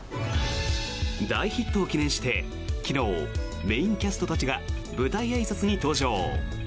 大ヒットを記念して昨日、メインキャストたちが舞台あいさつに登場。